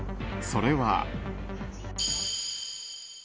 それは。